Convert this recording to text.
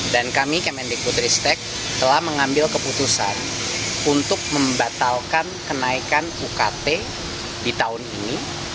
dan kami kemendikbud ristek telah mengambil keputusan untuk membatalkan kenaikan ukt di tahun ini